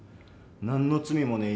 何の罪もねえ